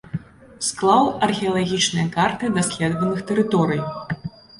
Склаў археалагічныя карты даследаваных тэрыторый.